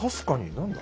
何だ？